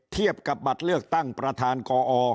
เทียบกับบัตรเลือกตั้งประธานกอ